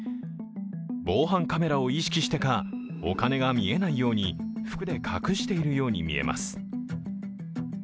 防犯カメラを意識してか、お金が見えないように服で隠しているように見えます。